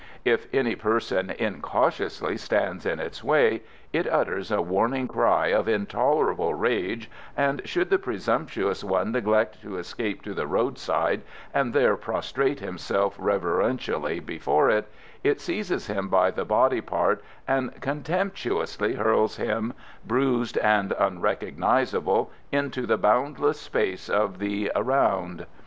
If any person incautiously stands in its way it utters a warning cry of intolerable rage, and should the presumptuous one neglect to escape to the roadside and there prostrate himself reverentially before it, it seizes him by the body part and contemptuously hurls him bruised and unrecognisable into the boundless space of the around.